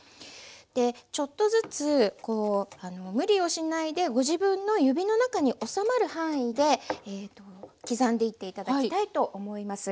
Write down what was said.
でちょっとずつ無理をしないでご自分の指の中におさまる範囲で刻んでいって頂きたいと思います。